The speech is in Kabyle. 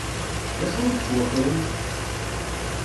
Dacu i yettwakren?